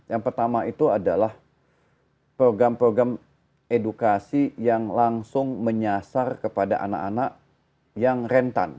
yang pertama itu adalah program program edukasi yang langsung menyasar kepada anak anak yang rentan